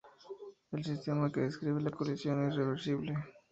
El sistema que describe la colisión es reversible.